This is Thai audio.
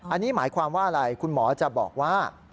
อันนี้หมายความว่าอะไรคุณหมอจะบอกว่า